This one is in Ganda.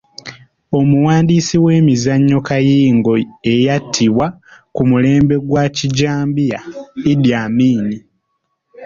Omuwandiisi w’emizannyo kayingo eyattibwa ku mulembe gwa Kijambiya Idi Amin .